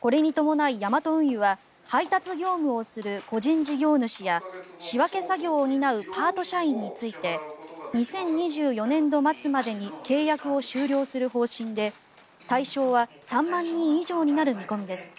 これに伴い、ヤマト運輸は配達業務をする個人事業主や仕分け作業を担うパート社員について２０２４年度末までに契約を終了する方針で対象は３万人以上になる見込みです。